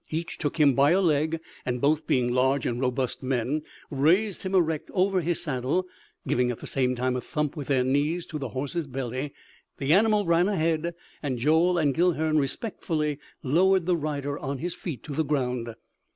Each took him by a leg, and both being large and robust men, raised him erect over his saddle, giving at the same time a thump with their knees to his horse's belly. The animal ran ahead, and Joel and Guilhern respectfully lowered the rider on his feet to the ground.